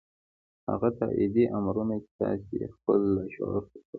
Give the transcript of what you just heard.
هغه تاييدي امرونه چې تاسې يې خپل لاشعور ته سپارئ.